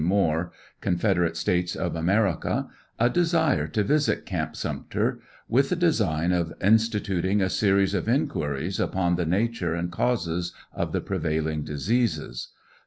Moore, Con federate States of America, a desire to visit Camp Sumpter, with the design of instituting a series of inquiries upon the nature and causes of the prevailing diseases.